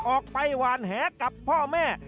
ออกไปหวานแหกับพ่อแม่